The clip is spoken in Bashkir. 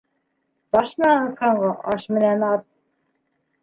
Таш менән атҡанға аш менән ат.